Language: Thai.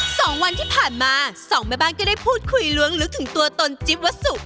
สองวันที่ผ่านมาสองแม่บ้านก็ได้พูดคุยล้วงลึกถึงตัวตนจิ๊บวัสสุ